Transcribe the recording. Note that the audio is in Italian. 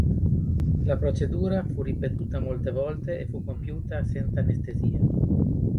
La procedura fu ripetuta molte volte e fu compiuta senza anestesia.